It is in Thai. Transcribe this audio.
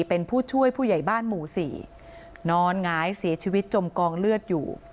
เป็นผู้ช่วยผู้ใหญ่บ้านหมู่สี่นอนหงายเสียชีวิตจมกองเลือดอยู่